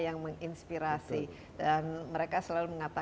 dan juga berapa seragam